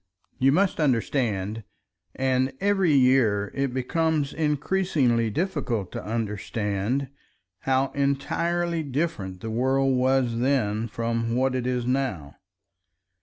You must understand—and every year it becomes increasingly difficult to understand—how entirely different the world was then from what it is now.